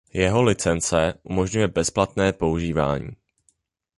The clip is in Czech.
Jeho licence umožňuje bezplatné používání.